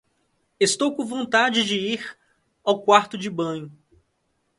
Estou com vontade de ir ao quarto-de-banho.